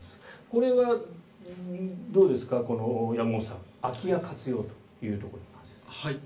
これはどうですか、山本さん空き家活用というところは。